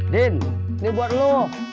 din ini buat lu